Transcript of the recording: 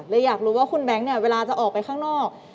และอยากรู้ว่าคุณแบงค์เวลาจะออกไปข้างนอก